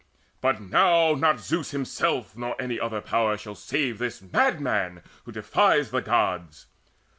But now Not Zeus himself nor any other Power Shall save this madman who defies the Gods!"